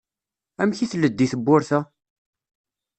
Amek i tleddi tewwurt-a?